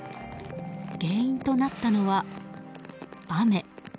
原因となったのは雨。